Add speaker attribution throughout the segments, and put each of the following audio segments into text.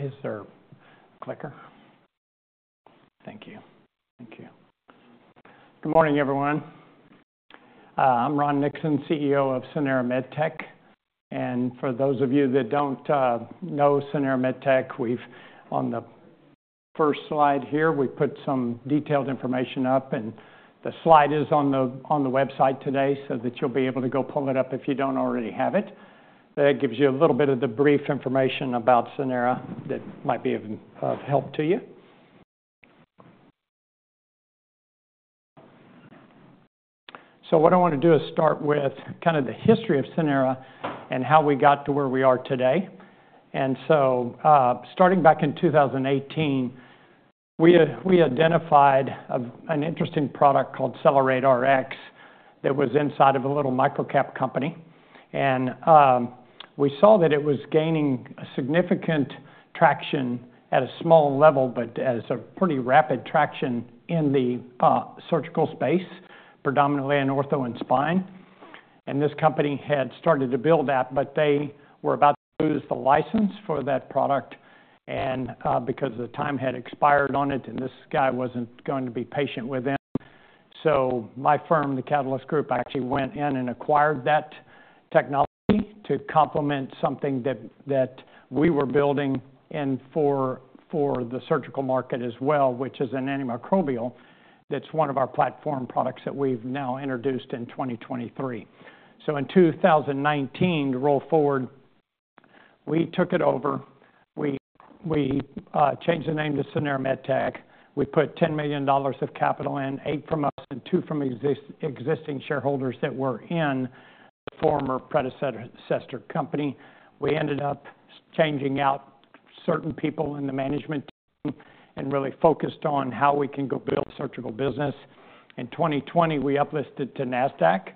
Speaker 1: Is there a clicker? Thank you. Thank you. Good morning, everyone. I'm Ron Nixon, CEO of Sanara MedTech, and for those of you that don't know Sanara MedTech, we've on the first slide here, we put some detailed information up, and the slide is on the website today so that you'll be able to go pull it up if you don't already have it. That gives you a little bit of the brief information about Sanara that might be of help to you, so what I want to do is start with kind of the history of Sanara and how we got to where we are today, and so starting back in 2018, we identified an interesting product called CellerateRX that was inside of a little microcap company. We saw that it was gaining significant traction at a small level, but as a pretty rapid traction in the surgical space, predominantly in ortho and spine. This company had started to build that, but they were about to lose the license for that product because the time had expired on it, and this guy wasn't going to be patient with them. My firm, The Catalyst Group, actually went in and acquired that technology to complement something that we were building in for the surgical market as well, which is an antimicrobial that's one of our platform products that we've now introduced in 2023. In 2019, roll forward, we took it over. We changed the name to Sanara MedTech. We put $10 million of capital in, $8 million from us and $2 million from existing shareholders that were in the former predecessor company. We ended up changing out certain people in the management team and really focused on how we can go build surgical business. In 2020, we uplisted to Nasdaq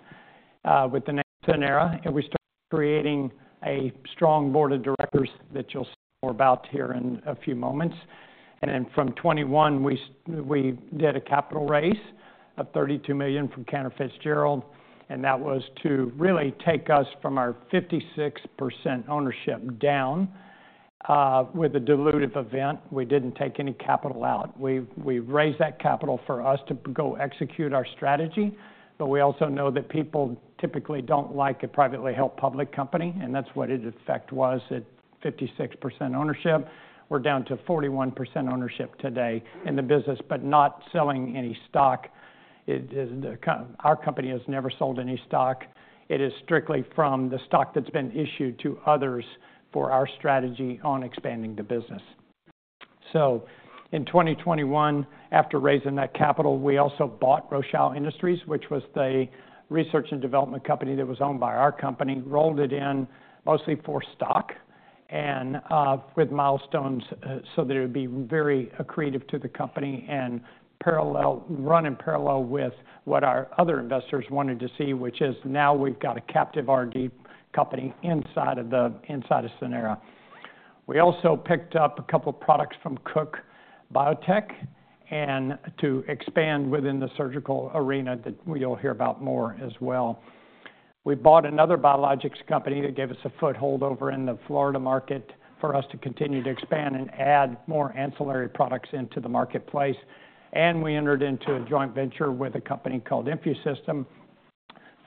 Speaker 1: with the name Sanara, and we started creating a strong Board of Directors that you'll see more about here in a few moments. Then from 2021, we did a capital raise of $32 million from Cantor Fitzgerald. That was to really take us from our 56% ownership down with a dilutive event. We didn't take any capital out. We raised that capital for us to go execute our strategy. We also know that people typically don't like a privately held public company. That's what in effect was at 56% ownership. We're down to 41% ownership today in the business, but not selling any stock. Our company has never sold any stock. It is strictly from the stock that's been issued to others for our strategy on expanding the business. So in 2021, after raising that capital, we also bought Rochal Industries, which was the research and development company that was owned by our company, rolled it in mostly for stock and with milestones so that it would be very accretive to the company and run in parallel with what our other investors wanted to see, which is now we've got a captive R&D company inside of Sanara. We also picked up a couple of products from Cook Biotech to expand within the surgical arena that you'll hear about more as well. We bought another biologics company that gave us a foothold over in the Florida market for us to continue to expand and add more ancillary products into the marketplace. And we entered into a joint venture with a company called InfuSystem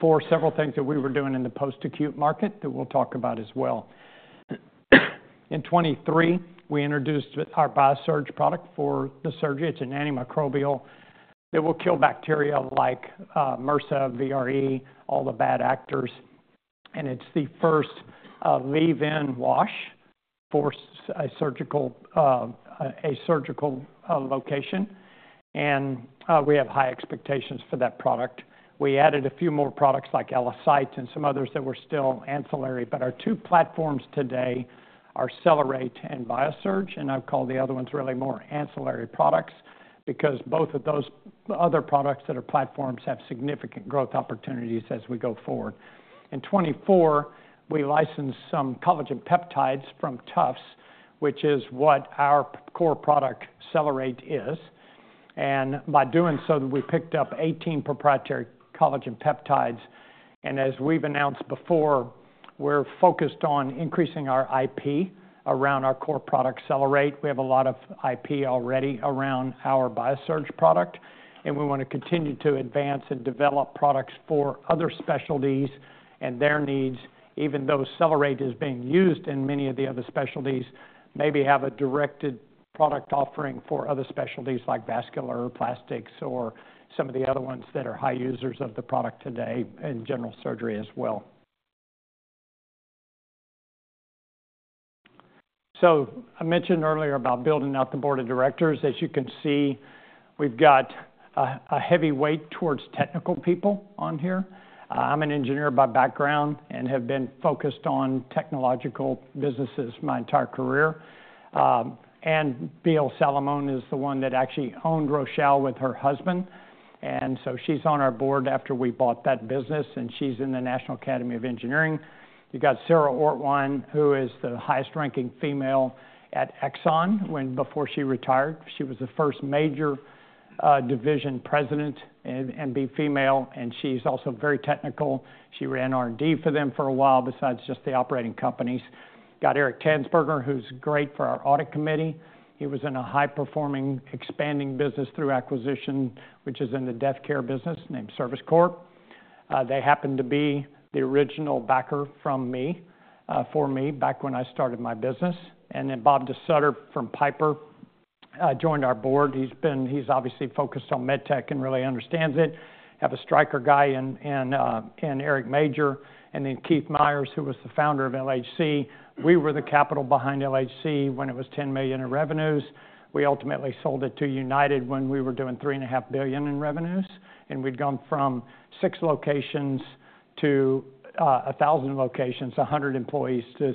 Speaker 1: for several things that we were doing in the post-acute market that we'll talk about as well. In 2023, we introduced our BIASURGE product for the surgery. It's an antimicrobial that will kill bacteria like MRSA, VRE, all the bad actors. And it's the first leave-in wash for a surgical location. And we have high expectations for that product. We added a few more products like ALLOCYTE and some others that were still ancillary. But our two platforms today are Cellerate and BIASURGE. And I've called the other ones really more ancillary products because both of those other products that are platforms have significant growth opportunities as we go forward. In 2024, we licensed some collagen peptides from Tufts, which is what our core product Cellerate is. And by doing so, we picked up 18 proprietary collagen peptides. As we've announced before, we're focused on increasing our IP around our core product CellerateRX. We have a lot of IP already around our BIASURGE product. We want to continue to advance and develop products for other specialties and their needs, even though CellerateRX is being used in many of the other specialties, maybe have a directed product offering for other specialties like vascular or plastics or some of the other ones that are high users of the product today in general surgery as well. I mentioned earlier about building out the Board of Directors. As you can see, we've got a heavy weight towards technical people on here. I'm an engineer by background and have been focused on technological businesses my entire career. Ann Beal Salamone is the one that actually owned Rochal with her husband. And so she's on our Board after we bought that business, and she's in the National Academy of Engineering. You got Sara Ortwein, who is the highest-ranking female at Exxon before she retired. She was the first major division president and female. And she's also very technical. She ran R&D for them for a while besides just the operating companies. Got Eric Tanzberger, who's great for our audit committee. He was in a high-performing expanding business through acquisition, which is in the death care business named Service Corp. They happened to be the original backer for me back when I started my business. And then Bob DeSutter from Piper joined our Board. He's obviously focused on med tech and really understands it. Have a Stryker guy and Eric Major. And then Keith Myers, who was the founder of LHC. We were the capital behind LHC when it was $10 million in revenues. We ultimately sold it to United when we were doing $3.5 billion in revenues, and we'd gone from six locations to 1,000 locations, 100 employees to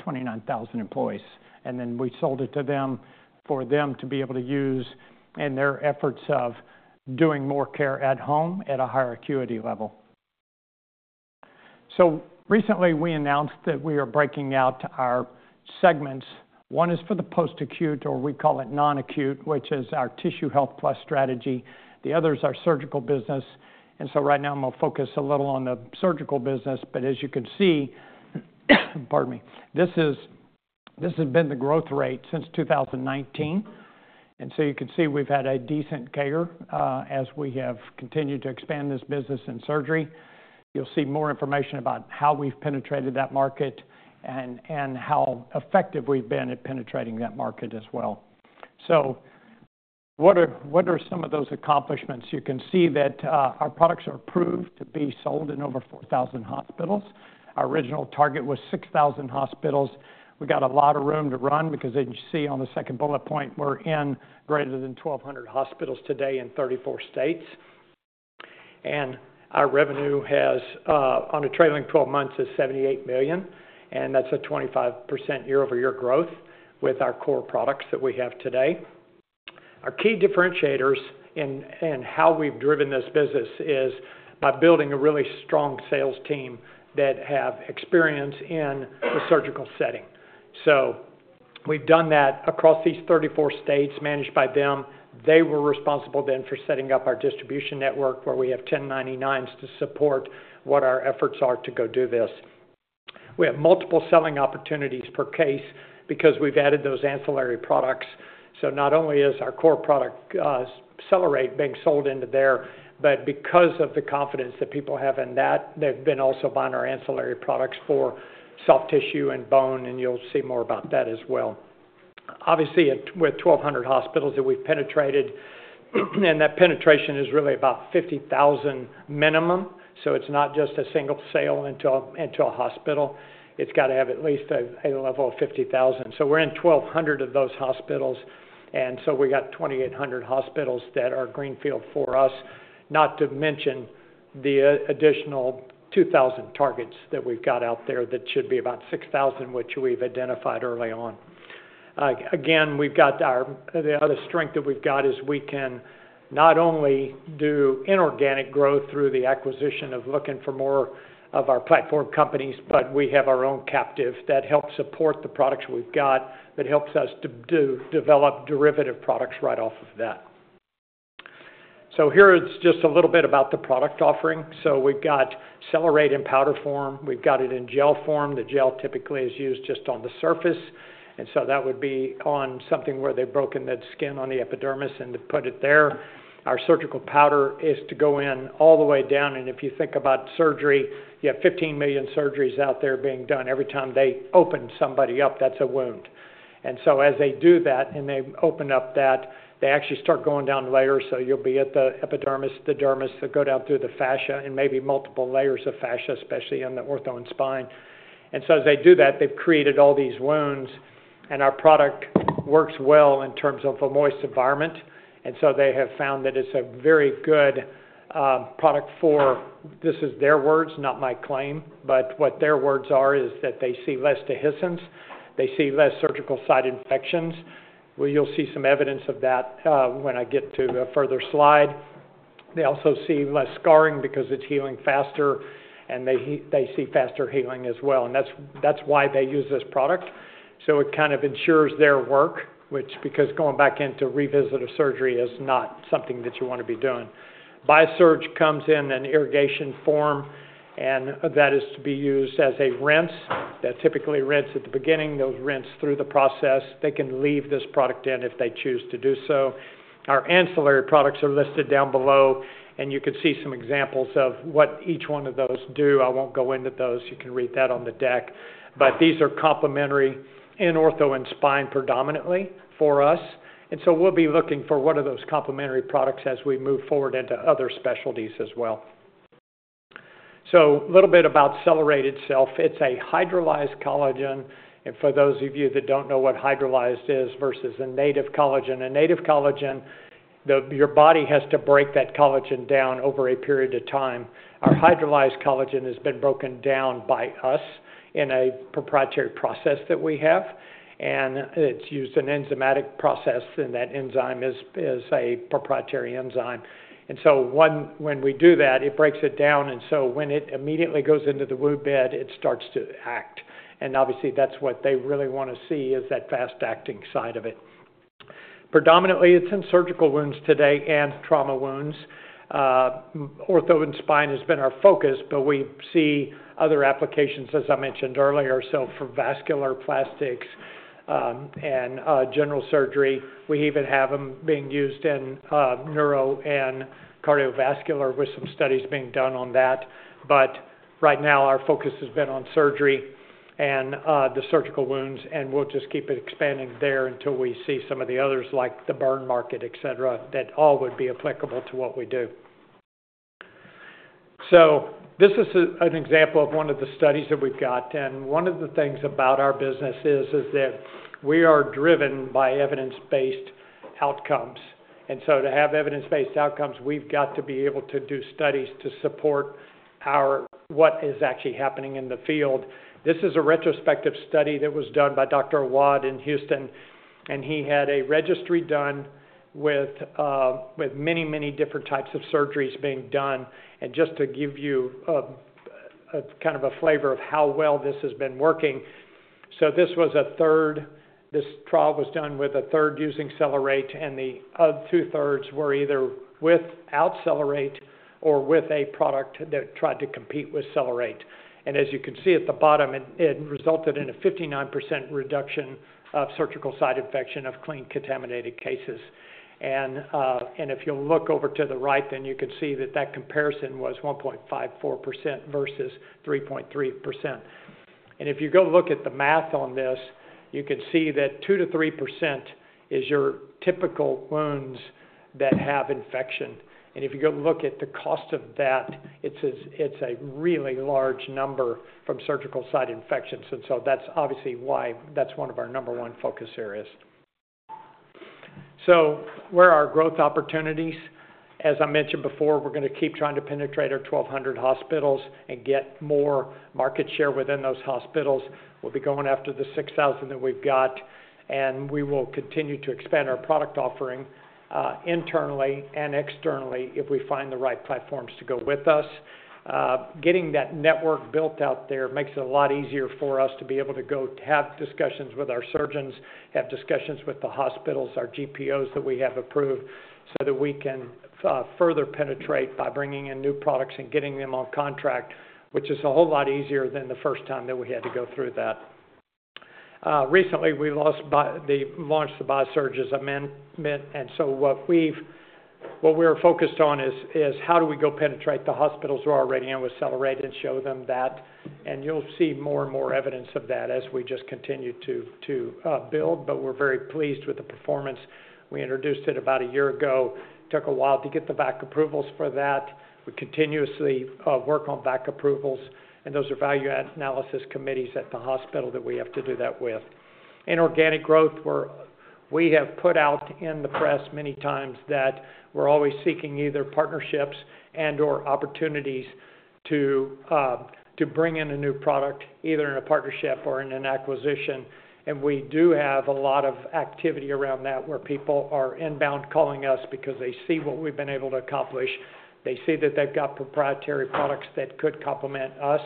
Speaker 1: 29,000 employees, and then we sold it to them for them to be able to use in their efforts of doing more care at home at a higher acuity level, so recently, we announced that we are breaking out our segments. One is for the post-acute, or we call it non-acute, which is our Tissue Health Plus strategy. The others are surgical business, and so right now, I'm going to focus a little on the surgical business, but as you can see, pardon me, this has been the growth rate since 2019. And so you can see we've had a decent CAGR as we have continued to expand this business in surgery. You'll see more information about how we've penetrated that market and how effective we've been at penetrating that market as well. So what are some of those accomplishments? You can see that our products are approved to be sold in over 4,000 hospitals. Our original target was 6,000 hospitals. We got a lot of room to run because as you see on the second bullet point, we're in greater than 1,200 hospitals today in 34 states. And our revenue, on a trailing 12 months, is $78 million. And that's a 25% year-over-year growth with our core products that we have today. Our key differentiators in how we've driven this business is by building a really strong sales team that have experience in the surgical setting. So we've done that across these 34 states managed by them. They were responsible then for setting up our distribution network where we have 1099s to support what our efforts are to go do this. We have multiple selling opportunities per case because we've added those ancillary products. So not only is our core product Cellerate being sold into there, but because of the confidence that people have in that, they've been also buying our ancillary products for soft tissue and bone. And you'll see more about that as well. Obviously, with 1,200 hospitals that we've penetrated, and that penetration is really about 50,000 minimum. So it's not just a single sale into a hospital. It's got to have at least a level of 50,000. So we're in 1,200 of those hospitals. And so we got 2,800 hospitals that are greenfield for us, not to mention the additional 2,000 targets that we've got out there that should be about 6,000, which we've identified early on. Again, the other strength that we've got is we can not only do inorganic growth through the acquisition of looking for more of our platform companies, but we have our own captive that helps support the products we've got that helps us to develop derivative products right off of that. So here's just a little bit about the product offering. So we've got Cellerate in powder form. We've got it in gel form. The gel typically is used just on the surface. And so that would be on something where they've broken the skin on the epidermis and put it there. Our surgical powder is to go in all the way down. And if you think about surgery, you have 15 million surgeries out there being done. Every time they open somebody up, that's a wound. And so as they do that and they open up that, they actually start going down layers. So you'll be at the epidermis, the dermis that go down through the fascia and maybe multiple layers of fascia, especially in the ortho and spine. And so as they do that, they've created all these wounds. And our product works well in terms of a moist environment. And so they have found that it's a very good product for this is their words, not my claim. But what their words are is that they see less dehiscence. They see less surgical site infections. You'll see some evidence of that when I get to a further slide. They also see less scarring because it's healing faster. They see faster healing as well. That's why they use this product. It kind of ensures their work, which because going back into revisit of surgery is not something that you want to be doing. BIASURGE comes in an irrigation form, and that is to be used as a rinse that typically rinses at the beginning. Those rinse through the process. They can leave this product in if they choose to do so. Our ancillary products are listed down below, and you can see some examples of what each one of those do. I won't go into those. You can read that on the deck. These are complementary in ortho and spine predominantly for us. We'll be looking for what are those complementary products as we move forward into other specialties as well. A little bit about Cellerate itself. It's a hydrolyzed collagen. And for those of you that don't know what hydrolyzed is versus a native collagen, a native collagen, your body has to break that collagen down over a period of time. Our hydrolyzed collagen has been broken down by us in a proprietary process that we have. And it's used an enzymatic process, and that enzyme is a proprietary enzyme. And so when we do that, it breaks it down. And so when it immediately goes into the wound bed, it starts to act. And obviously, that's what they really want to see is that fast-acting side of it. Predominantly, it's in surgical wounds today and trauma wounds. Ortho and spine has been our focus, but we see other applications, as I mentioned earlier. So for vascular plastics and general surgery, we even have them being used in neuro and cardiovascular with some studies being done on that. But right now, our focus has been on surgery and the surgical wounds. And we'll just keep it expanding there until we see some of the others like the burn market, etc., that all would be applicable to what we do. So this is an example of one of the studies that we've got. And one of the things about our business is that we are driven by evidence-based outcomes. And so to have evidence-based outcomes, we've got to be able to do studies to support what is actually happening in the field. This is a retrospective study that was done by Dr. Warth in Houston. And he had a registry done with many, many different types of surgeries being done. And just to give you kind of a flavor of how well this has been working, so this was a third. This trial was done with a third using Cellerate, and the other two thirds were either without Cellerate or with a product that tried to compete with Cellerate, and as you can see at the bottom, it resulted in a 59% reduction of surgical site infection of clean contaminated cases, and if you'll look over to the right, then you can see that that comparison was 1.54% versus 3.3%, and if you go look at the math on this, you can see that 2%-3% is your typical wounds that have infection, and if you go look at the cost of that, it's a really large number from surgical site infections, and so that's obviously why that's one of our number one focus areas, so where are our growth opportunities? As I mentioned before, we're going to keep trying to penetrate our 1,200 hospitals and get more market share within those hospitals. We'll be going after the 6,000 that we've got. And we will continue to expand our product offering internally and externally if we find the right platforms to go with us. Getting that network built out there makes it a lot easier for us to be able to go have discussions with our surgeons, have discussions with the hospitals, our GPOs that we have approved so that we can further penetrate by bringing in new products and getting them on contract, which is a whole lot easier than the first time that we had to go through that. Recently, we launched the BIASURGE Advanced. And so what we're focused on is how do we go penetrate the hospitals who are already in with Cellerate and show them that. You'll see more and more evidence of that as we just continue to build, but we're very pleased with the performance. We introduced it about a year ago. It took a while to get the VAC approvals for that. We continuously work on VAC approvals, and those are value analysis committees at the hospital that we have to do that with. In organic growth, we have put out in the press many times that we're always seeking either partnerships and/or opportunities to bring in a new product either in a partnership or in an acquisition, and we do have a lot of activity around that where people are inbound calling us because they see what we've been able to accomplish. They see that they've got proprietary products that could complement us,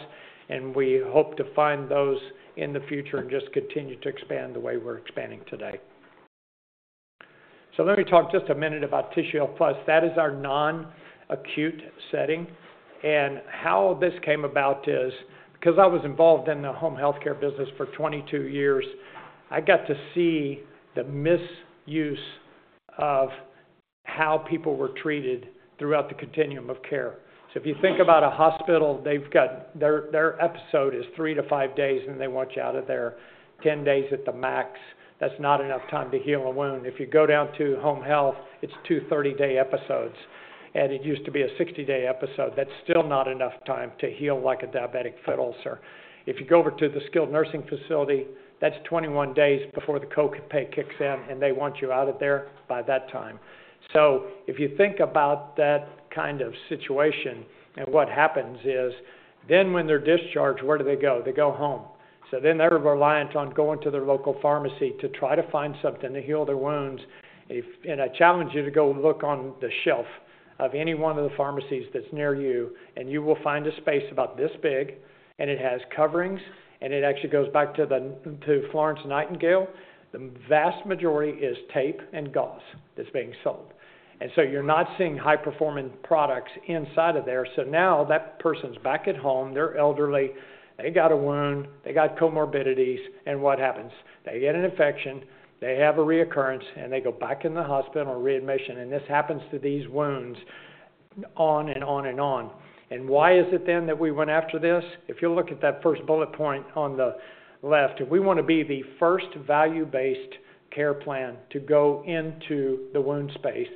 Speaker 1: and we hope to find those in the future and just continue to expand the way we're expanding today. Let me talk just a minute about Tissue Health Plus. That is our non-acute setting. How this came about is because I was involved in the home healthcare business for 22 years. I got to see the misuse of how people were treated throughout the continuum of care. If you think about a hospital, their episode is three to five days, and they want you out of there 10 days at the max. That's not enough time to heal a wound. If you go down to home health, it's two 30-day episodes. It used to be a 60-day episode. That's still not enough time to heal like a diabetic foot ulcer. If you go over to the skilled nursing facility, that's 21 days before the co-pay kicks in, and they want you out of there by that time. So if you think about that kind of situation and what happens is then when they're discharged, where do they go? They go home. So then they're reliant on going to their local pharmacy to try to find something to heal their wounds. And I challenge you to go look on the shelf of any one of the pharmacies that's near you, and you will find a space about this big. And it has coverings, and it actually goes back to Florence Nightingale. The vast majority is tape and gauze that's being sold. And so you're not seeing high-performing products inside of there. So now that person's back at home. They're elderly. They got a wound. They got comorbidities. And what happens? They get an infection. They have a reoccurrence, and they go back in the hospital or readmission. And this happens to these wounds on and on and on. Why is it then that we went after this? If you look at that first bullet point on the left, we want to be the first value-based care plan to go into the wound space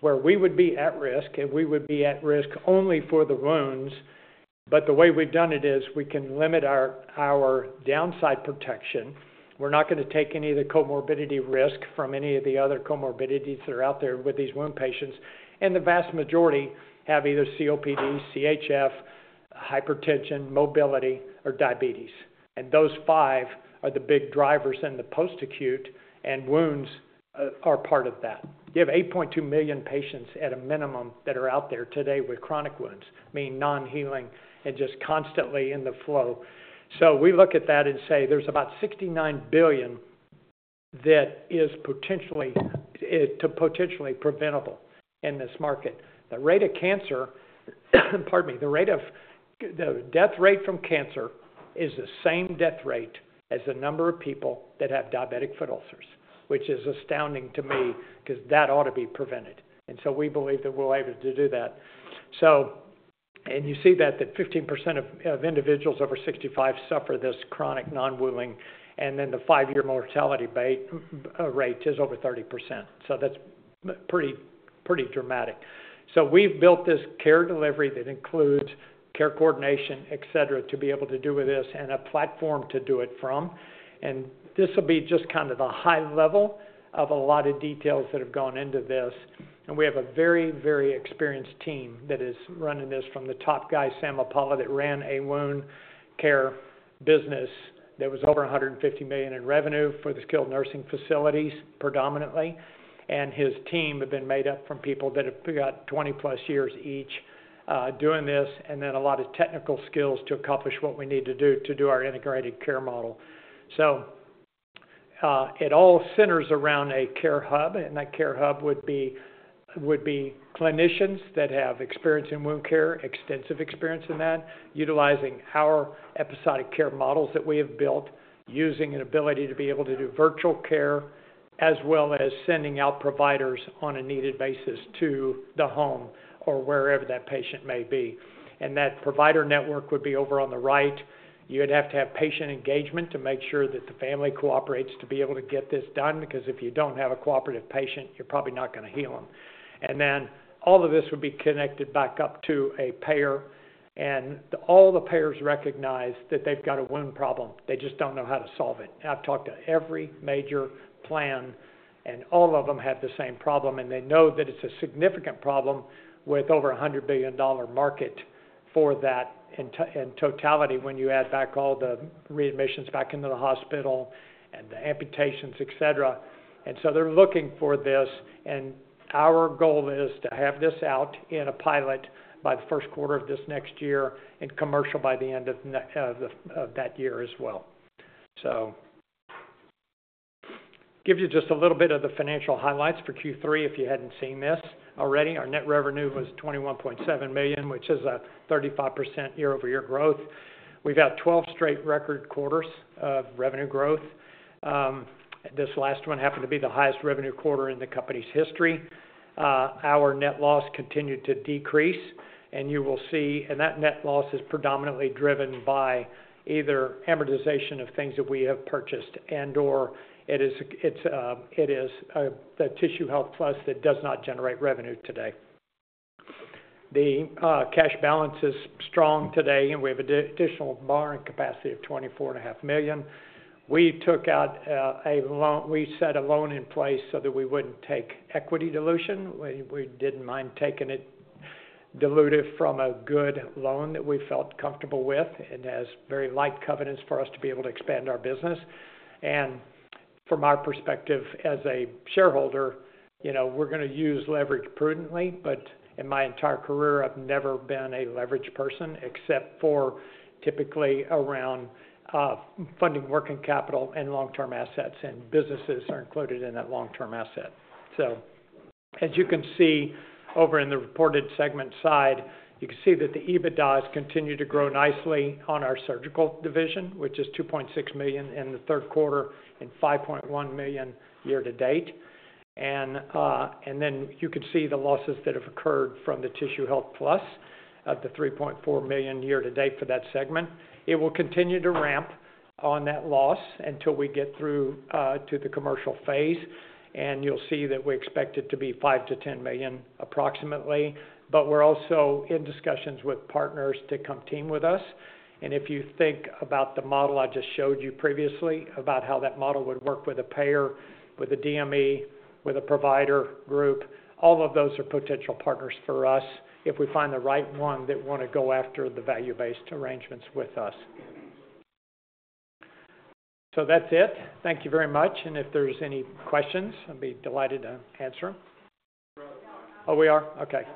Speaker 1: where we would be at risk, and we would be at risk only for the wounds. The way we've done it is we can limit our downside protection. We're not going to take any of the comorbidity risk from any of the other comorbidities that are out there with these wound patients. The vast majority have either COPD, CHF, hypertension, mobility, or diabetes. Those five are the big drivers in the post-acute, and wounds are part of that. You have 8.2 million patients at a minimum that are out there today with chronic wounds, meaning non-healing and just constantly in the flow. So we look at that and say there's about $69 billion that is potentially preventable in this market. The rate of cancer, pardon me, the death rate from cancer is the same death rate as the number of people that have diabetic foot ulcers, which is astounding to me because that ought to be prevented. We believe that we're able to do that. You see that 15% of individuals over 65 suffer this chronic non-healing. Then the five-year mortality rate is over 30%. That's pretty dramatic. We've built this care delivery that includes care coordination, etc., to be able to do with this and a platform to do it from. This will be just kind of the high level of a lot of details that have gone into this. And we have a very, very experienced team that is running this from the top guy, Zach Apollon, that ran a wound care business that was over $150 million in revenue for the skilled nursing facilities predominantly. And his team had been made up from people that have got 20+ years each doing this and then a lot of technical skills to accomplish what we need to do to do our integrated care model. So it all centers around a care hub. And that care hub would be clinicians that have experience in wound care, extensive experience in that, utilizing our episodic care models that we have built, using an ability to be able to do virtual care as well as sending out providers on a needed basis to the home or wherever that patient may be. And that provider network would be over on the right. You would have to have patient engagement to make sure that the family cooperates to be able to get this done because if you don't have a cooperative patient, you're probably not going to heal them. And then all of this would be connected back up to a payer. And all the payers recognize that they've got a wound problem. They just don't know how to solve it. I've talked to every major plan, and all of them have the same problem. And they know that it's a significant problem with over $100 billion market for that in totality when you add back all the readmissions back into the hospital and the amputations, etc. And so they're looking for this. And our goal is to have this out in a pilot by the first quarter of this next year and commercial by the end of that year as well. So give you just a little bit of the financial highlights for Q3 if you hadn't seen this already. Our net revenue was $21.7 million, which is a 35% year-over-year growth. We've had 12 straight record quarters of revenue growth. This last one happened to be the highest revenue quarter in the company's history. Our net loss continued to decrease. And you will see that net loss is predominantly driven by either amortization of things that we have purchased and/or it is the Tissue Health Plus that does not generate revenue today. The cash balance is strong today, and we have an additional borrowing capacity of $24.5 million. We set a loan in place so that we wouldn't take equity dilution. We didn't mind taking it diluted from a good loan that we felt comfortable with. It has very light covenants for us to be able to expand our business. From our perspective as a shareholder, we're going to use leverage prudently. But in my entire career, I've never been a leverage person except for typically around funding working capital and long-term assets. And businesses are included in that long-term asset. So as you can see over in the reported segment side, you can see that the EBITDA has continued to grow nicely on our surgical division, which is $2.6 million in the third quarter and $5.1 million year-to-date. And then you can see the losses that have occurred from the Tissue Health Plus of the $3.4 million year-to-date for that segment. It will continue to ramp on that loss until we get through to the commercial phase. And you'll see that we expect it to be $5 million-$10 million approximately. But we're also in discussions with partners to come team with us. And if you think about the model I just showed you previously about how that model would work with a payer, with a DME, with a provider group, all of those are potential partners for us if we find the right one that want to go after the value-based arrangements with us. So that's it. Thank you very much. And if there's any questions, I'll be delighted to answer. Oh, we are? Okay.